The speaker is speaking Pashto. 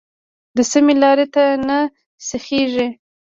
د سمې لارې ته نه سیخېږي.